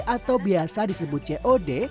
atau biasa disebut cod